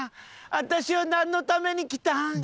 私はなんのために来たん？